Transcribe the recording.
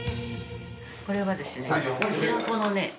これはですね